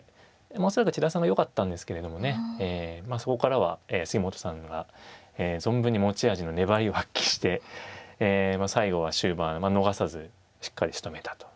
まあ恐らく千田さんがよかったんですけれどもねまあそこからは杉本さんが存分に持ち味の粘りを発揮して最後は終盤逃さずしっかりしとめたと。